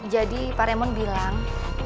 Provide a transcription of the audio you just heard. jadi pak raymond bilang